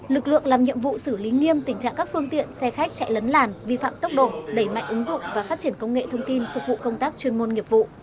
lực lượng làm nhiệm vụ xử lý nghiêm tình trạng các phương tiện xe khách chạy lấn làn vi phạm tốc độ đẩy mạnh ứng dụng và phát triển công nghệ thông tin phục vụ công tác chuyên môn nghiệp vụ